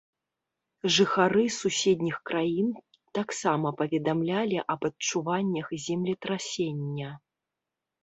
Жыхары суседніх краін таксама паведамлялі аб адчуваннях землетрасення.